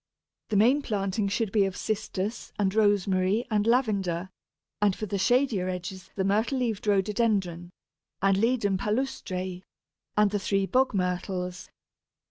The main planting should be of Cistus and Rosemary and Lavender, and for the shadier edges the Myrtle leaved Rhododendron, and Ledum palustre, and the three Bog myrtles.